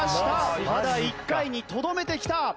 ただ１回にとどめてきた！